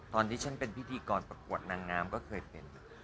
ตอนที่ฉันเป็นพิธีกรประกวดนางงามก็เคยเป็น